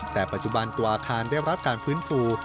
แต่ปัจจุบันตัวอาคารได้รับการฟื้นฟู